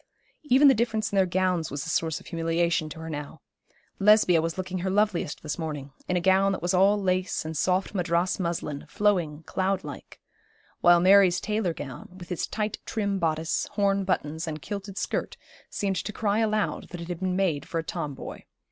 Even the difference in their gowns was a source of humiliation to her how. Lesbia was looking her loveliest this morning, in a gown that was all lace and soft Madras muslin, flowing, cloud like; while Mary's tailor gown, with its trim tight bodice, horn buttons, and kilted skirt, seemed to cry aloud that it had been made for a Tomboy.